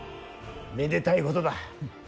めでたいことだ。